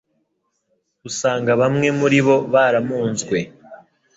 usanga bamwe muribo baramunzwe